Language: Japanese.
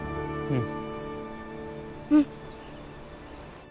うん。